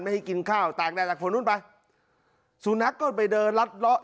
ไม่ให้กินข้าวต่างด้านจากฝนนู้นไปสุนัขก็ไปเดินรัดเลาะ